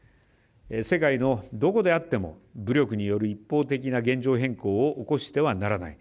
世界のどこであっても武力による一方的な現状変更を起こしてはならない。